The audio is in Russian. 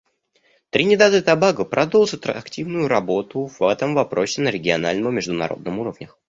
Тринидад и Тобаго продолжит активную работу в этом вопросе на региональном и международном уровнях.